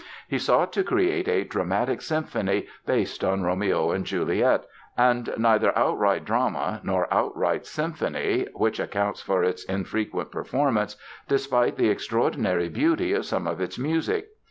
He sought to create a "dramatic symphony", based on "Romeo and Juliet", and neither outright drama nor outright symphony—which accounts for its infrequent performance, despite the extraordinary beauty of some of its music.